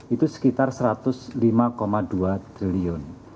itu sekitar satu ratus lima dua triliun